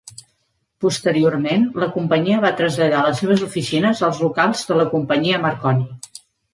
Posteriorment, la companyia va traslladar les seves oficines als locals de la companyia Marconi.